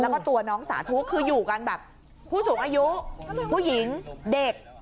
แล้วก็ตัวน้องสาธุคืออยู่กันแบบผู้สูงอายุผู้หญิงเด็ก